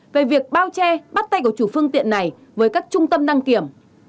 về việc bao che bắt tay của chủ phương tiện này với các trung tâm đăng kiểm